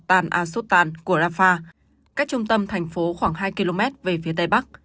trong khu vực palestine của rafah cách trung tâm thành phố khoảng hai km về phía tây bắc